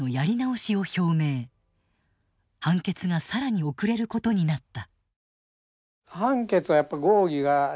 判決が更に遅れることになった。